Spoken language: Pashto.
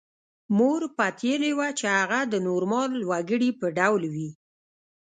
موږ پتېیلې وه چې هغه د نورمال وګړي په ډول وي